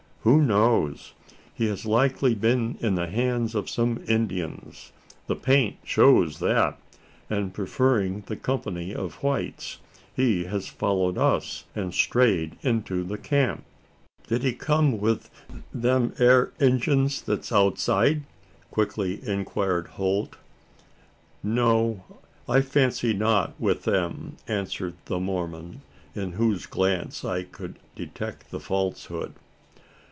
"Who knows? He has likely been in the hands of some Indians the paint shows that and preferring the company of whites, he has followed us, and strayed into the camp." "Did he come with them ere Injuns that's outside?" quickly inquired Holt. "No? I fancy not with them," answered the Mormon, in whose glance I could detect the falsehood.